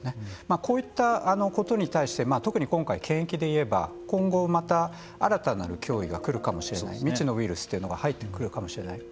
こういったことに対して特に今回検疫でいえば今後また新たなる脅威が来るかもしれない未知のウイルスというのが入ってくるかもしれない。